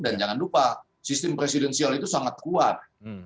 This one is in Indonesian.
dan jangan lupa sistem presidensial itu sangat kuat